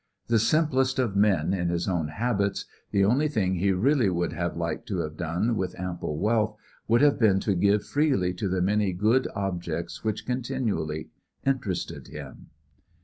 The simplest of men in his own habits, the only thing he really would have liked to have done with ample wealth would have been to give freely to the many good objects which continually interested him.